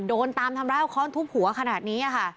โดนตามทำราวข้อนทุบหัวขนาดนี้อะค่ะ